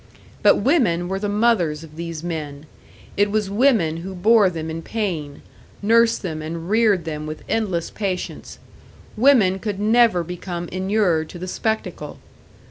But women were the mothers of these men; it was women who bore them in pain, nursed them and reared them with endless patience women could never become inured to the spectacle!